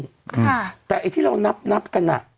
ค่ะแต่ไอ้ที่เรานับนับกันอ่ะ